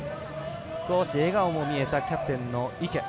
少し笑顔も見えたキャプテンの池。